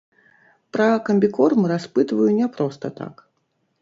Пра камбікорм распытваю не проста так.